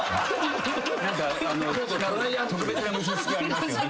特別な結びつきがありますよね